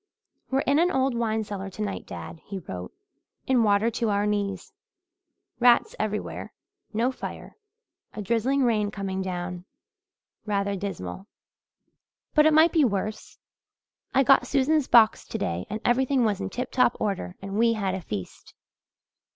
"We're in an old wine cellar tonight, dad," he wrote, "in water to our knees. Rats everywhere no fire a drizzling rain coming down rather dismal. But it might be worse. I got Susan's box today and everything was in tip top order and we had a feast.